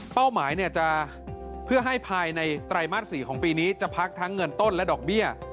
หมายจะเพื่อให้ภายในไตรมาส๔ของปีนี้จะพักทั้งเงินต้นและดอกเบี้ย